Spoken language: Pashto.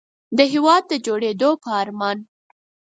د هېواد د جوړېدو په ارمان.